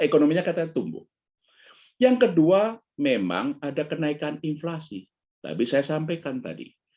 ekonominya katanya tumbuh yang kedua memang ada kenaikan inflasi tapi saya sampaikan tadi